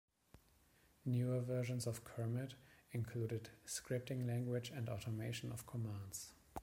Newer versions of Kermit included scripting language and automation of commands.